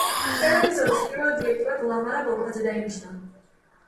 ტელევიზიის პირველ დირექტორად ლამარა ბოლქვაძე დაინიშნა.